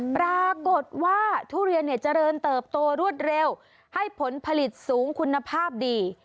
ปรากฏว่าทุเรียนเนี่ยเจริญเติบโตรวดเร็วให้ผลผลิตสูงคุณภาพดี